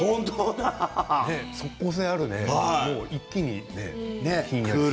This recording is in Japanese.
即効性あるね一気にひんやり。